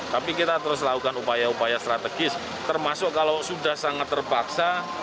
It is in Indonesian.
tapi kita terus lakukan upaya upaya strategis termasuk kalau sudah sangat terpaksa